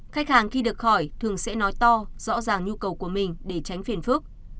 khách hàng khi được hỏi thường sẽ nói to rõ ràng nhu cầu của mình để tránh phiền phức